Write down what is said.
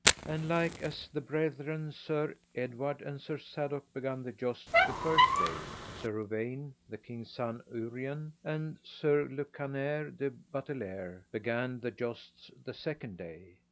And like as the brethren Sir Edward and Sir Sadok began the jousts the first day, Sir Uwaine the king's son Urien and Sir Lucanere de Buttelere began the jousts the second day.